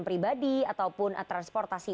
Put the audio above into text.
pribadi ataupun transportasi